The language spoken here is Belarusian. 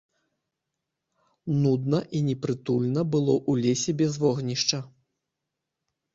Нудна і непрытульна было ў лесе без вогнішча.